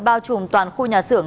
bao trùm toàn khu nhà xưởng